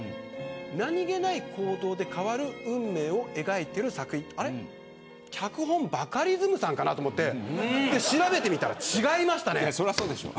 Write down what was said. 何気ない行動で変わる運命を描いている作品、あれっ、脚本はバカリズムさんかなと思ってそりゃそうでしょ。